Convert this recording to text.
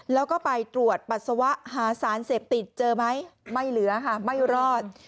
แล้วก็ไปตรวจปัสสาวะหาสารเสพติดเจอไหมไม่เหลือค่ะไม่รอด